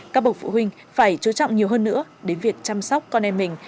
các bậc phụ huynh phải chú trọng nhiều hơn nữa đến việc chăm sóc con em mình